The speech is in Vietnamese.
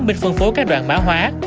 bên phân phối các đoạn mã hóa